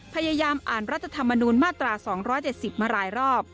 พยายามอ่านรัฐธรรมนูญมาตรา๒๗๐มาหลายรอบ